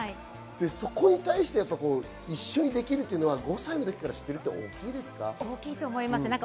そこに対して一緒にできるというのは５歳の時から知ってるのは大きいですか？